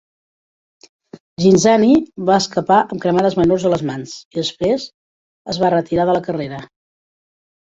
Ghinzani va escapar amb cremades menors a les mans, i després es va retira de la carrera.